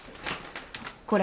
これ。